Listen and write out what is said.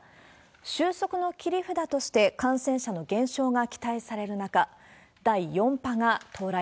収束の切り札として感染者の減少が期待される中、第４波が到来。